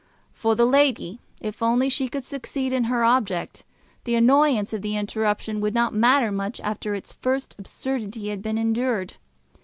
For the lady, if only she could succeed in her object, the annoyance of the interruption would not matter much after its first absurdity had been endured.